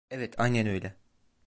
Evet, aynen öyle.